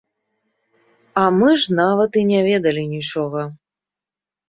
А мы ж нават і не ведалі нічога.